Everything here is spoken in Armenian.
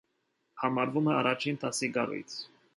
Համարվում է առաջին դասի կառույց։